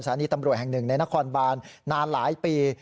ณีตำรวจแห่งหนึ่งในนครบานนานหลายปี